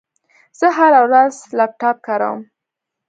زه هره ورځ لپټاپ کاروم.